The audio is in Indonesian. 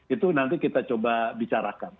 itu nanti kita coba bicarakan